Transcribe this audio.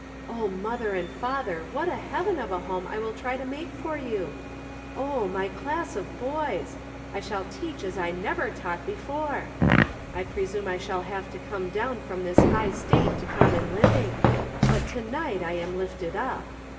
Oh, mother and father, what a heaven of a home I will try to make for you ! Oh, my class of boys ! I will teach as I never taught before ! I presume I shall have to come down from this high state to common living. But to night I am lifted up.